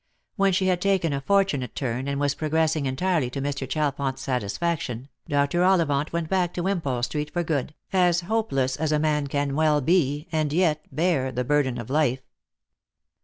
When she had taken a fortunate turn, and was progressing entirely to Mr. Chalfont's satisfaction, Dr. Ollivant went back to Wimpole street for good, as hopeless as a man can well be and yet bear the burden of life.